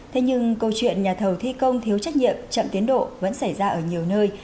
thế nhưng câu chuyện nhà thầu thi công thiếu trách nhiệm chậm tiến độ vẫn xảy ra ở nhiều nơi